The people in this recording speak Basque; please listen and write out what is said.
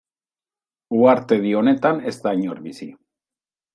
Uhartedi honetan ez da inor bizi.